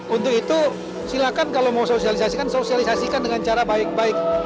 untuk itu silakan kalau mau sosialisasikan sosialisasikan dengan cara baik baik